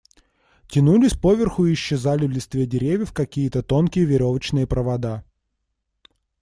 Тянулись поверху и исчезали в листве деревьев какие-то тонкие веревочные провода.